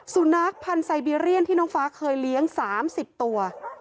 สุนัขพันธ์ไซเบียเรียนที่น้องฟ้าเคยเลี้ยง๓๐ตัว